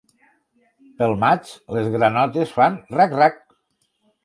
Pel maig les granotes fan rac-rac.